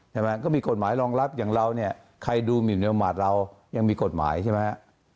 ใช่ไหมก็มีกฎหมายรองรับอย่างเราเนี่ยใครดูหมินประมาทเรายังมีกฎหมายใช่ไหมฮะ